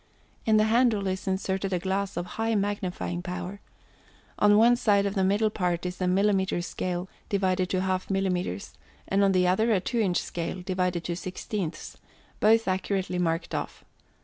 In the handle is inserted a glass of high magnifying power. On one side of the middle part is a millimètre scale (divided to half millimètres), and on the other a two inch scale (divided to sixteenths), both accurately marked off.